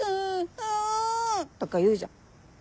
う！」とか言うじゃん。